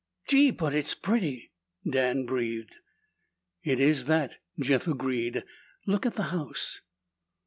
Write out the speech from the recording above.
"Gee but it's pretty!" Dan breathed. "It is that," Jeff agreed. "Look at the house."